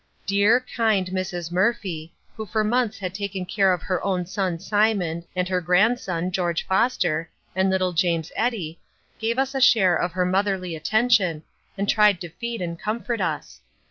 Dear, kind Mrs. Murphy, who for months had taken care of her own son Simon, and her grandson George Foster, and little James Eddy, gave us a share of her motherly attention, and tried to feed and comfort us.